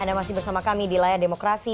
anda masih bersama kami di layar demokrasi